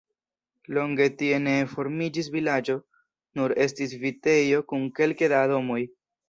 Longe tie ne formiĝis vilaĝo, nur estis vitejo kun kelke da domoj.